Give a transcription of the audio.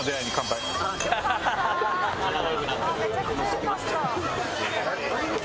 めちゃくちゃよかった。